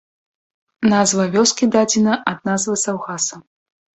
Назва вёскі дадзена ад назвы саўгаса.